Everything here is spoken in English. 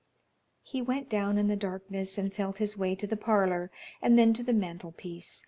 He went down in the darkness, and felt his way to the parlour, and then to the mantelpiece.